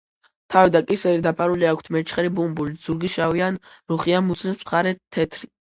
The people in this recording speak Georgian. თავი და კისერი დაფარული აქვთ მეჩხერი ბუმბულით; ზურგი შავი ან რუხია, მუცლის მხარე თეთრი.